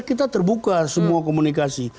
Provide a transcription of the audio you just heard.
kita terbuka semua komunikasi